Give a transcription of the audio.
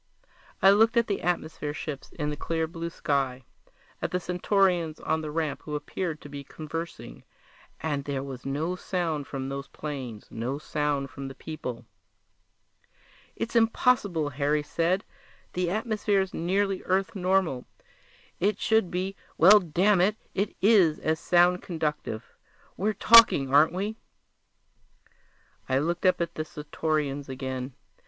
I looked at the atmosphere ships in the clear blue sky, at the Centaurians on the ramp who appeared to be conversing and there was no sound from those planes, no sound from the people! "It's impossible," Harry said. "The atmosphere's nearly Earth normal. It should be well, damn it, it is as sound conductive; we're talking, aren't we?" I looked up at the Centaurians again.